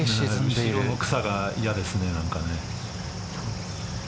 後ろの草が嫌ですね。